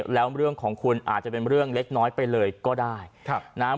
แล้วเรื่องของคุณอาจจะเป็นเรื่องเล็กน้อยไปเลยก็ได้ครับนะฮะ